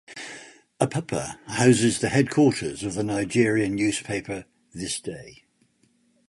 Apapa houses the headquarters of the Nigerian newspaper "Thisday".